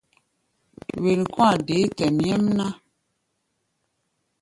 Wen kɔ̧́-a̧ deé tɛʼm nyɛ́mná.